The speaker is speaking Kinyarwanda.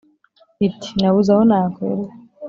Iti: nabuze aho nakwirwa